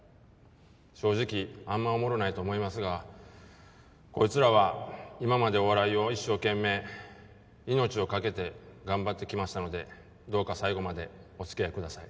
正直あんまおもろないと思いますがこいつらは今までお笑いを一生懸命命を懸けて頑張ってきましたのでどうか最後までお付き合いください。